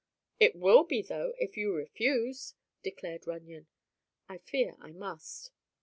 "It will be, though, if you refuse," declared Runyon. "I fear I must."